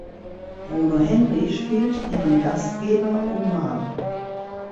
Bruno Henry spielt ihren Gastgeber Omar.